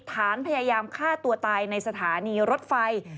ฐานพยายามฆ่าตัวตายในสถานีรถไฟ